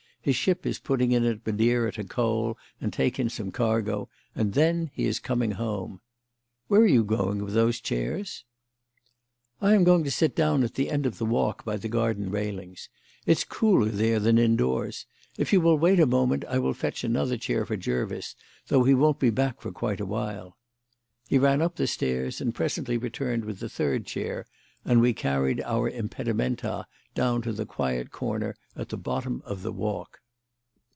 His ship is putting in at Madeira to coal and take in some cargo, and then he is coming home. Where are you going with those chairs?" "I am going to sit down at the end of the Walk by the garden railings. It's cooler there than indoors. If you will wait a moment I will fetch another chair for Jervis, though he won't be back for a little while." He ran up the stairs, and presently returned with a third chair, and we carried our impedimenta down to the quiet corner at the bottom of the Walk.